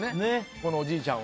このおじいちゃんは。